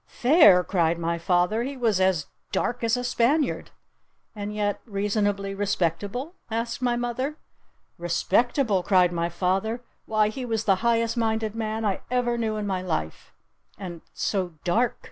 "Fair?" cried my father. "He was as dark as a Spaniard!" "And yet reasonably respectable?" asked my mother. "Respectable?" cried my father. "Why, he was the highest minded man I ever knew in my life!" "And so dark?"